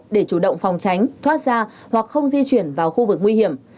để chủ động phòng tránh thoát ra hoặc không di chuyển vào khu vực nguy hiểm